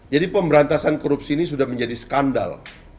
jadi pemberantasan korupsi ini sudah menjadi skandal